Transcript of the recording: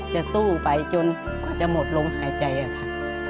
จะสู้ไปจนจะหมดลงหายใจอะค่ะ